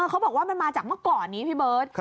เขาบอกว่ามันมาจากเมื่อก่อนนี้พี่เบิร์ต